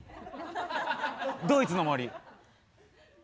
ドイツの森。